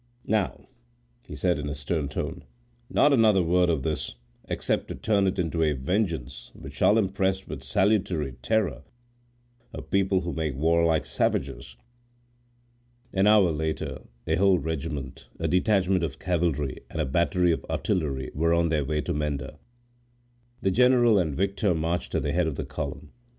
Now," he added in a stern tone, "not another word of this, except to turn it into a vengeance which shall impress with salutary terror a people who make war like savages." An hour later a whole regiment, a detachment of cavalry, and a battery of artillery were on their way to Menda. The general and Victor marched at the head of the column.